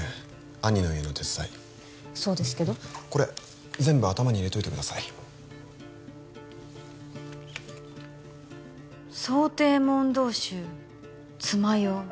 兄の家の手伝いそうですけどこれ全部頭に入れといてください「想定問答集妻用」